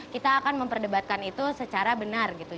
kita akan memperdebatkan itu secara benar gitu